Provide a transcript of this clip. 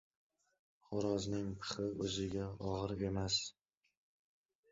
• Xo‘rozning pixi o‘ziga og‘ir emas.